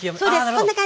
こんな感じ。